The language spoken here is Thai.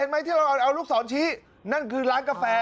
ไหมที่เราเอาลูกศรชี้นั่นคือร้านกาแฟ